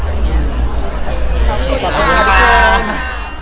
ขอบคุณค่ะ